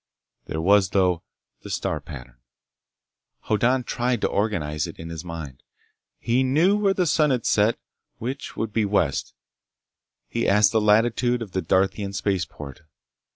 There was, though, the star pattern. Hoddan tried to organize it in his mind. He knew where the sun had set, which would be west. He asked the latitude of the Darthian spaceport.